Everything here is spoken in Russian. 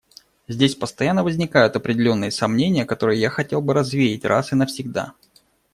Здесь постоянно возникают определенные сомнения, которые я хотел бы развеять раз и навсегда.